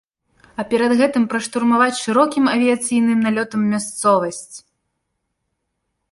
А перад гэтым праштурмаваць шырокім авіяцыйным налётам мясцовасць.